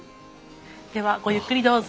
ではごゆっくりどうぞ。